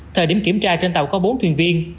thời điểm kiểm tra trên tàu có bốn thuyền viên